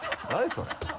それ。